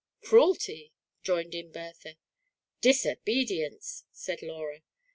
Cruelty," joined in Bertha. "Disobedience," added Laura.